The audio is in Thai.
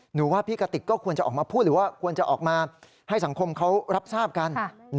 หนูว่าพี่กติกก็ควรจะออกมาพูดหรือว่าควรจะออกมาให้สังคมเขารับทราบกัน